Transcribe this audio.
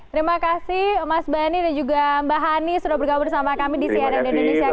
terima kasih mas bani dan juga mbak hani sudah bergabung sama kami di cnn indonesia conne